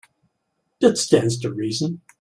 It stands to reason.